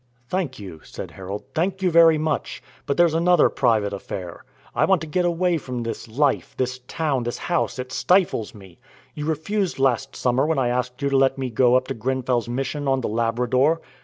"Thank you," said Harold. "Thank you very much! But there's another private affair. I want to get away from this life, this town, this house. It stifles me. You refused last summer when I asked you to let me go up to Grenfell's Mission on the Labrador.